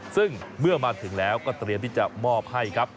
ซึ่งเมื่อมาถึงแล้วก็เตรียมที่จะมอบให้ครับ